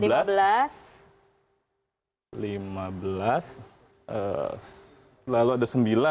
lalu ada sembilan ya